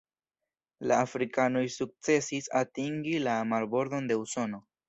La afrikanoj sukcesis atingi la marbordon de Usono.